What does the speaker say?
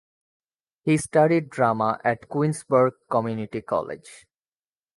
He studied drama at Queensborough Community College.